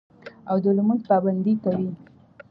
او د لمونځ پابندي کوي